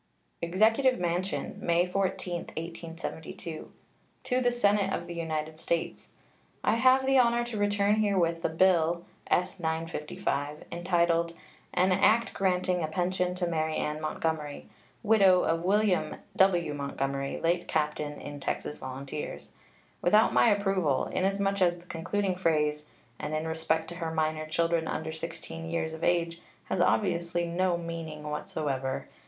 EXECUTIVE MANSION, May 14, 1872. To the Senate of the United States: I have the honor to return herewith the bill (S. 955) entitled "An act granting a pension to Mary Ann Montgomery, widow of William W. Montgomery, late captain in Texas Volunteers," without my approval, inasmuch as the concluding phrase, "and in respect to her minor children under 16 years of age," has obviously no meaning whatsoever.